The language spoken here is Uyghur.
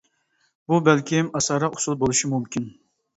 بۇ بەلكىم ئاسانراق ئۇسۇل بولۇشى مۇمكىن.